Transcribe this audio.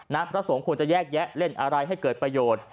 พระสงฆ์ควรจะแยกแยะเล่นอะไรให้เกิดประโยชน์